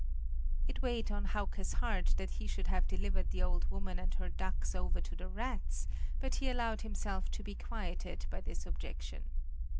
It weighed on Hauke's heart that he should have delivered the old woman and her ducks over to the rats, but he allowed himself to be quieted by this objection.